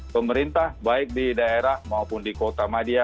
pemerintah baik di daerah maupun di kota madia